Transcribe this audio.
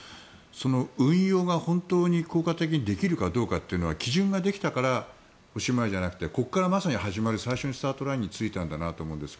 運用が本当に効果的にできるかどうかは基準ができたからおしまいではなくてここから始まる最初のスタートラインについたと思います。